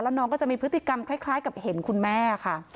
น้องก็จะมีพฤติกรรมคล้ายกับเห็นคุณแม่ค่ะ